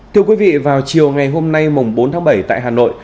thưa quý vị vào chiều ngày hôm nay bốn tháng bảy tại hà nội